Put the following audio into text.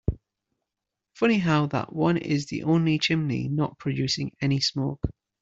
Funny how that one is the only chimney not producing any smoke.